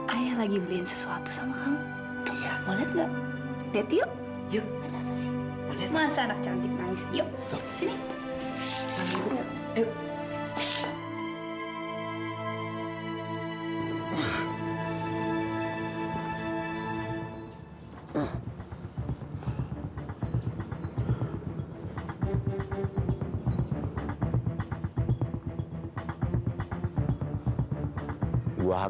ayah lagi beliin sesuatu sama kamu